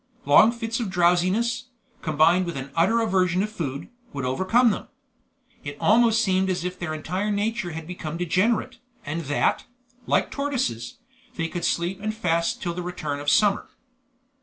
Long fits of drowsiness, combined with an utter aversion to food, would come over them. It almost seemed as if their entire nature had become degenerate, and that, like tortoises, they could sleep and fast till the return of summer.